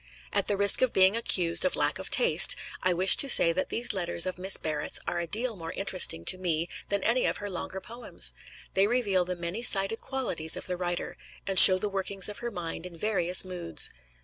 At the risk of being accused of lack of taste, I wish to say that these letters of Miss Barrett's are a deal more interesting to me than any of her longer poems. They reveal the many sided qualities of the writer, and show the workings of her mind in various moods.